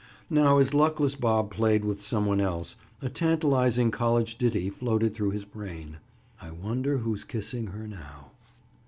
Now as luckless Bob played with some one else, a tantalizing college ditty floated through his brain: "I wonder who's kissing her now?"